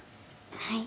はい。